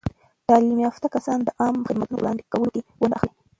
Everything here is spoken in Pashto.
تعلیم یافته کسان د عامه خدمتونو په وړاندې کولو کې ونډه اخلي.